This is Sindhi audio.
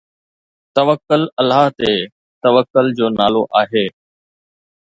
توڪل الله تي توڪل جو نالو آهي.